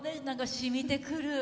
しみてくる。